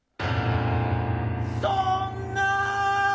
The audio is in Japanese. そんな！